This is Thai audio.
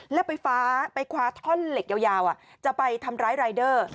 แล้วไปคว้าท่อนเหล็กยาวจะไปทำร้ายรายเดอร์